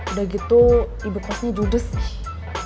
udah gitu ibu kosnya jude sih